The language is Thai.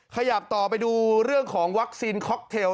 ขยับต่อไปดูเรื่องของวัคซีนค็อกเทล